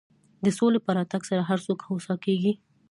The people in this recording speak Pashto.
د سولې په راتګ سره هر څوک هوسا کېږي.